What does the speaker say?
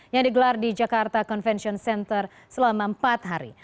yang digelar di jakarta convention center selama empat hari